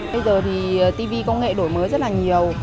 bây giờ thì tv công nghệ đổi mới rất là nhiều